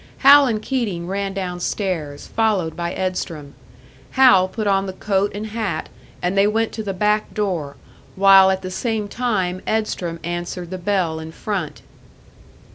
Hal and Keating ran downstairs, followed by Edstrom. Hal put on the coat and hat, and they went to the back door, while at the same time Edstrom answered the bell in front.